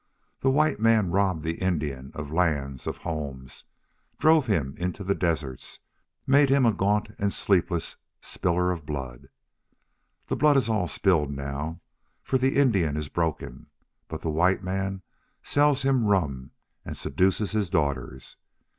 "The white man robbed the Indian of lands and homes, drove him into the deserts, made him a gaunt and sleepless spiller of blood.... The blood is all spilled now, for the Indian is broken. But the white man sells him rum and seduces his daughters....